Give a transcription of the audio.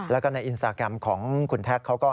แล้วก็ในอินสตาแกรมของคุณแท็กเขาก็